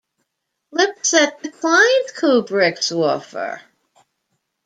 Lipsett declined Kubrick's offer.